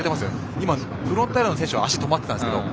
今フロンターレの選手は足が止まってたんですけれども。